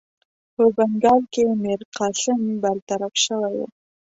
په بنګال کې میرقاسم برطرف شوی وو.